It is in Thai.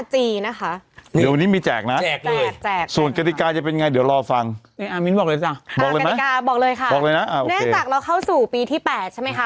เดี๋ยววันนี้มีแจกนะส่วนกฎิกาจะเป็นยังไงเดี๋ยวรอฟังบอกเลยนะแน่นจากเราเข้าสู่ปีที่๘ใช่ไหมคะ